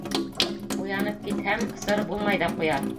Уянып китһәм, сыр булмай ҙа ҡуя.